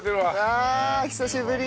ああ久しぶり！